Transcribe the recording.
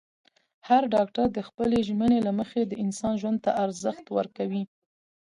هر ډاکټر د خپلې ژمنې له مخې د انسان ژوند ته ارزښت ورکوي.